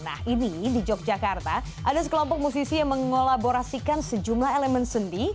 nah ini di yogyakarta ada sekelompok musisi yang mengolaborasikan sejumlah elemen sendi